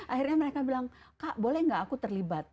akhirnya mereka bilang kak boleh gak aku terlibat